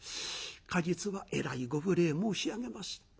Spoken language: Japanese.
「過日はえらいご無礼申し上げました。